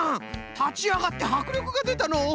たちあがってはくりょくがでたのう。